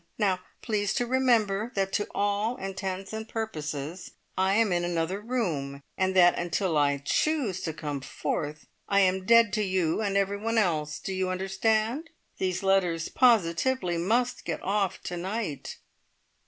Now please to remember that to all intents and purposes I am in another room, and that until I choose to come forth, I am dead to you and everyone else! Do you understand? These letters positively must get off to night!"